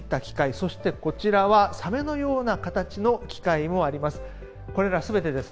そして、こちらはサメのような形の機械もあります。